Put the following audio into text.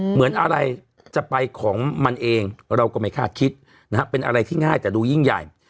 เหมือนอะไรจะไปของมันเองเราก็ไม่คาดคิดนะฮะเป็นอะไรที่ง่ายแต่ดูยิ่งใหญ่